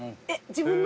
自分の？